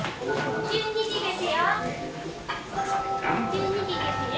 １２時ですよ。